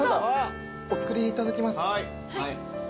お造りいただきます。